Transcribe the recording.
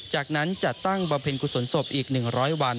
จากนั้นจัดตั้งบำเพ็ญกุศลศพอีก๑๐๐วัน